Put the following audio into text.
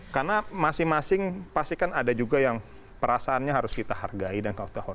karena masing masing pasti kan ada juga yang perasaannya harus kita hargai dan kita hormati